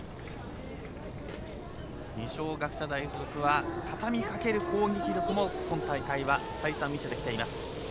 二松学舎大付属はたたみ掛ける攻撃力も今大会は再三、見せてきています。